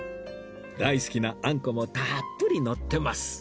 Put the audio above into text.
大好きなあんこもたっぷりのってます